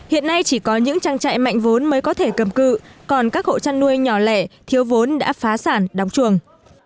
hiện nay chỉ có những trang trại mạnh vốn mới có thể cầm cự còn các hộ chăn nuôi nhỏ lẻ thiếu vốn đã phá sản đóng chuồng